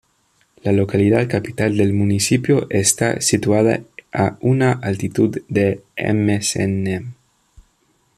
La localidad capital del municipio está situada a una altitud de msnm.